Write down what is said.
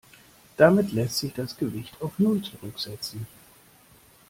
Damit lässt sich das Gewicht auf null zurücksetzen.